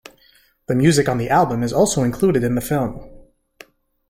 The music on the album is also included in the film.